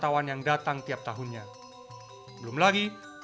terus air yang tersebut berubah menjadi ladang konflik